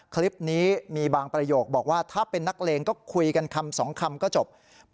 คลิปนี้มีบางประโยคบอกว่าถ้าเป็นนักเลงก็คุยกันคำสองคำก็จบ